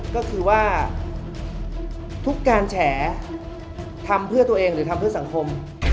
ก็คือว่าทุกการแฉทำเพื่อตัวเองหรือทำเพื่อสังคม